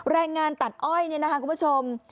แรงงานตัดอ้อยเนี่ยนะคะคุณผู้ชม